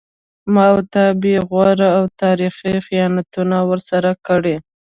ما و تا بې غوره او تاریخي خیانتونه ورسره کړي